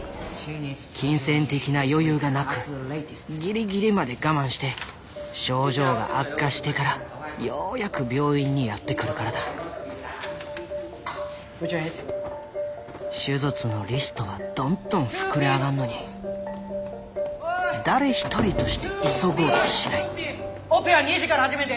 金銭的な余裕がなくギリギリまで我慢して症状が悪化してからようやく病院にやって来るからだ手術のリストはどんどん膨れ上がんのに誰一人として急ごうとしないオペは２時から始めるで！